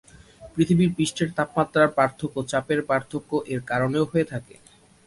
পৃথিবীর পৃষ্ঠের তাপমাত্রা পার্থক্য চাপের পার্থক্য এর কারণেও হয়ে থাকে।